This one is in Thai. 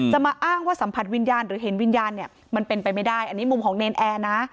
มาอ้างว่าสัมผัสวิญญาณหรือเห็นวิญญาณเนี่ยมันเป็นไปไม่ได้อันนี้มุมของเนรนแอร์นะ